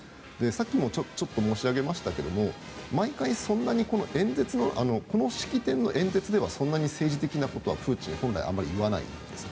さっきもちょっと申し上げましたけれども毎回、そんなにこの式典の演説ではそんなに政治的なことはプーチン本来そんなに言わないです。